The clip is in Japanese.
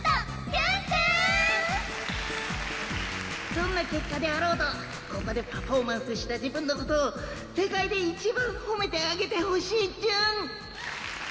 チュンくん！どんなけっかであろうとここでパフォーマンスした自分のことを世界で一番ほめてあげてほしいチュン！